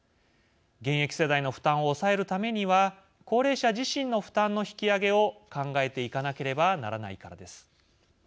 現役世代の負担を抑えるためには高齢者自身の負担の引き上げを考えていかなければならないからです。